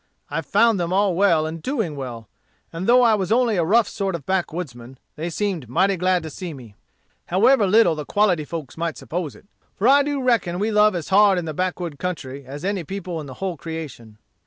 I found them all well and doing well; and though I was only a rough sort of backwoodsman, they seemed mighty glad to see me, however little the quality folks might suppose it. For I do reckon we love as hard in the backwood country as any people in the whole creation.